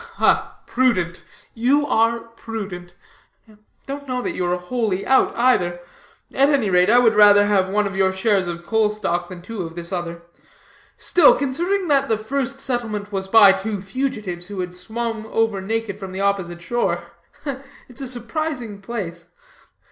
"Prudent you are prudent. Don't know that you are wholly out, either. At any rate, I would rather have one of your shares of coal stock than two of this other. Still, considering that the first settlement was by two fugitives, who had swum over naked from the opposite shore it's a surprising place.